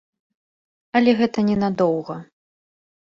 Але гэта не надоўга.